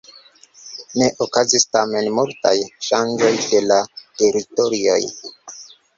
Ne okazis tamen multaj ŝanĝoj de la teritorioj.